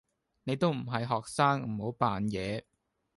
你都唔係學生，唔好扮野